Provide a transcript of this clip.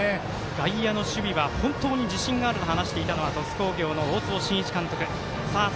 外野の守備は自信があると話していたのは鳥栖工業の大坪慎一監督。